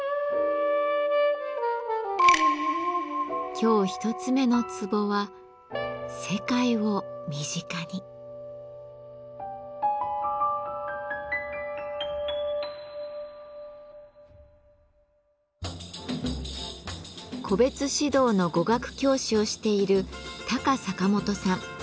今日一つ目のツボは個別指導の語学教師をしているタカサカモトさん。